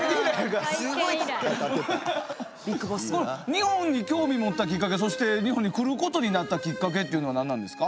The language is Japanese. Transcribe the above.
日本に興味持ったきっかけそして日本に来ることになったきっかけっていうのは何なんですか？